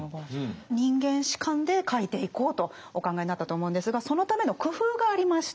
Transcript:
人間史観で書いていこうとお考えになったと思うんですがそのための工夫がありました。